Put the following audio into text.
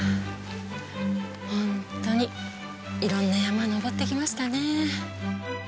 ホントに色んな山登ってきましたね